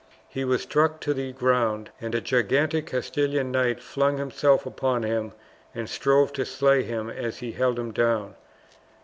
He was struck to the ground, and a gigantic Castilian knight flung himself upon him and strove to slay him as he held him down.